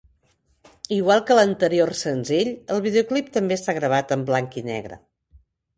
Igual que l'anterior senzill, el videoclip també està gravat en blanc i negre.